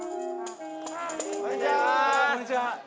こんにちは！